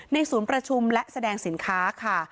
ศูนย์ประชุมและแสดงสินค้าค่ะ